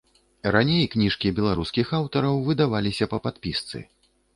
Раней кніжкі беларускіх аўтараў выдаваліся па падпісцы.